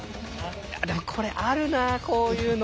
でもこれあるなあこういうの。